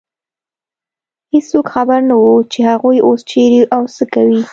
هېڅوک خبر نه و، چې هغوی اوس چېرې او څه کوي.